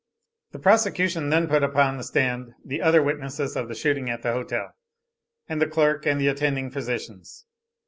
The prosecution then put upon the stand the other witnesses of the shooting at the hotel, and the clerk and the attending physicians.